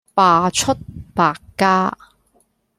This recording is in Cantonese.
罷黜百家